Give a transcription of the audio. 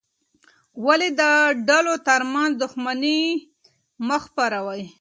ولې د ډلو ترمنځ دښمني مه خپروې؟